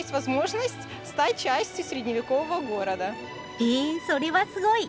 へえそれはすごい。